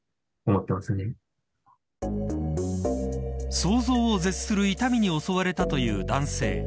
想像を絶する痛みに襲われたという男性。